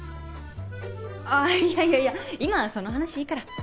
あいやいやいや今はその話いいから。